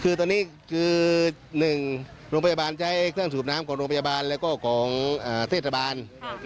คือตอนนี้คือ๑โรงพยาบาลใช้เครื่องสูบน้ำของโรงพยาบาลแล้วก็ของเทศบาล